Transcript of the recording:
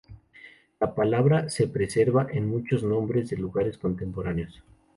La palabra se preserva en muchos nombres de lugares contemporáneos.